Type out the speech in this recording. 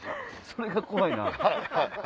それが怖いな。